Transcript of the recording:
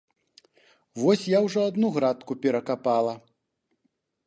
Вось я ўжо адну градку перакапала.